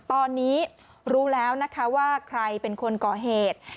ตอนนี้รู้แล้วนะคะว่าใครเป็นคนก่อเหตุ